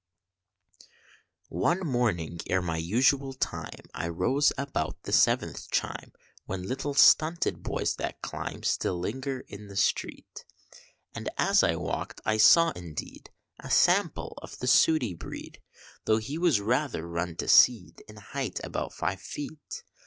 One morning, ere my usual time I rose, about the seventh chime, When little stunted boys that climb Still linger in the street; And as I walked, I saw indeed A sample of the sooty breed, Though he was rather run to seed, In height above five feet.